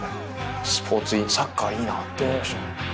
スポーツいいサッカーいいなって思いました。